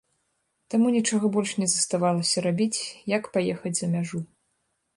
Таму нічога больш не заставалася рабіць, як паехаць за мяжу.